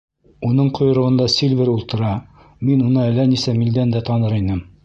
Уның ҡойроғонда Сильвер ултыра, мин уны әллә нисә милдән дә таныр инем.